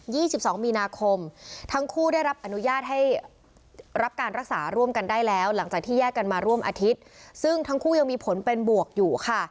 ี่สิบสองมีนาคมทั้งคู่ได้รับอนุญาตให้รับการรักษาร่วมกันได้แล้วหลังจากที่แยกกันมาร่วมอาทิตย์ซึ่งทั้งคู่ยังมีผลเป็นบวกอยู่ค่ะ